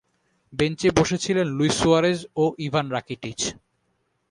বেঞ্চে বসেছিলেন Luis Suarez ও ইভান রাকিটিচ।